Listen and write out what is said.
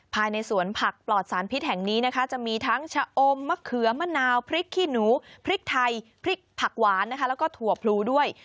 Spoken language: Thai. ภายในสวนผักปลอดสารพิษแห่งนี้นะคะจะมีทั้งชะอมมะเขือมะนาวพริกขี้หนูพริกไทยพริกผักหวานนะคะแล้วก็ถั่วพลูด้วย